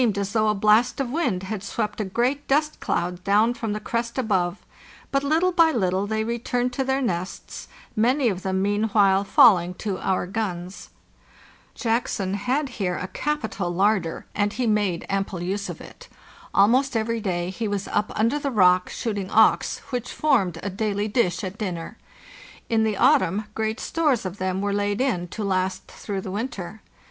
as though a blast of wind had swept a great dust cloud down from the crest above; but little by little they re turned to their nests, many of them meanwhile falling to our guns. Jackson had here a capital larder, and he made THE AOURNEY SOCLHWARD 565 ample use of it. Almost every day he was up under the rock shooting auks, which formed a daily dish at dinner. In the autumn great stores of them were laid in to last through the winter.